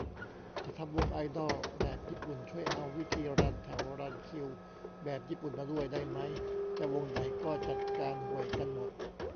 จะทำวงไอดอลแบบญี่ปุ่น ช่วยเอาวิธีรันแถวรันคิวแบบญี่ปุ่นมาด้วยได้มั้ย จะวงไหนก็จัดการห่วยกันหมด